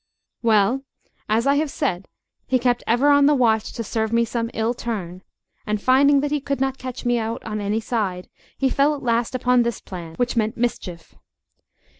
Well, as I have said, he kept ever on the watch to serve me some ill turn; and finding that he could not catch me out on any side, he fell at last upon this plan, which meant mischief.